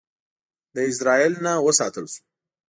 له ازرائیل نه وساتل شو.